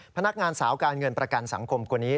พนักงานสาวการเงินประกันสังคมคนนี้